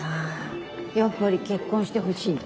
やっぱり結婚してほしいんだ。